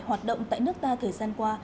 hoạt động tại nước ta thời gian qua